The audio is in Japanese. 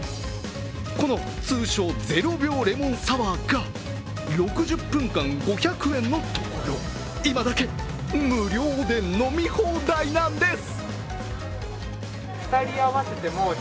この通称・０秒レモンサワーが６０分間５００円のところ今だけ無料で飲み放題なんです。